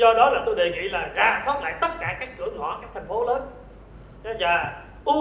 do đó là tôi đề nghị là rà thoát lại tất cả các cửa ngõ